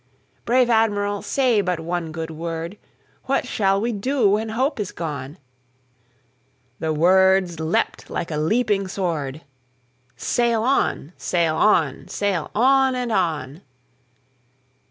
Brave Admiral, say but one good word:What shall we do when hope is gone?"The words leapt like a leaping sword:"Sail on! sail on! sail on! and on!"